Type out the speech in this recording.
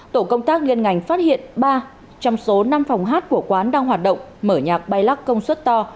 tổ công tác liên ngành phát hiện ba trong số năm phòng hát của quán đang hoạt động mở nhạc bay lắc công suất to